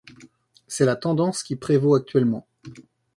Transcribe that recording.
C'est la tendance qui prévaut actuellement.